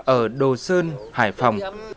ở đồ sơn hải phòng